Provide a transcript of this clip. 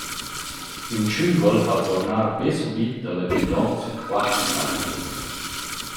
Ün tschüvel fa tuornar be subit a l’agüdont sün quatter pattas.